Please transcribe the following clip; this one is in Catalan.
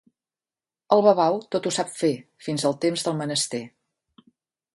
El babau tot ho sap fer, fins al temps del menester.